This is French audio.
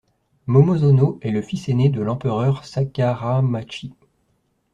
Momozono est le fils aîné de l'empereur Sakuramachi.